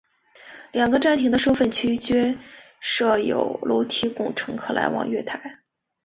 两个站厅的收费区均设有楼梯供乘客来往月台。